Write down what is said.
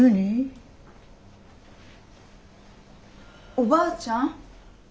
おばあちゃん？